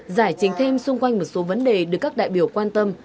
giải trình thêm xung quanh một số vấn đề được các đại biểu quan tâm